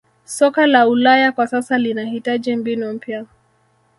soka la ulaya kwa sasa linahitaji mbinu mpya